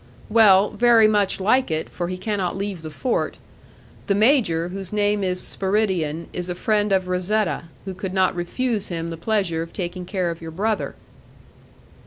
"Well, very much like it, for he cannot leave the fort. The major, whose name is Spiridion, is a friend of Razetta, who could not refuse him the pleasure of taking care of your brother."